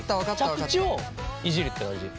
着地をいじるって感じ。